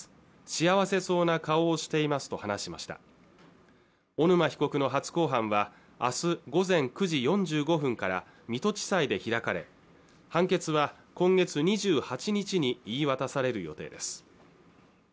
幸せそうな顔をしていますと話しました小沼被告の初公判はあす午前９時４５分から水戸地裁で開かれ判決は今月２８日に言い渡される予定です